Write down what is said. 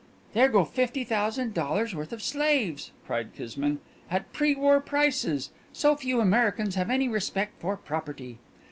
"There go fifty thousand dollars' worth of slaves," cried Kismine, "at pre war prices. So few Americans have any respect for property."